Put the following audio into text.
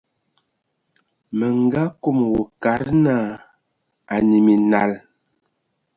Mə nga kom wa kad nə a nə minal.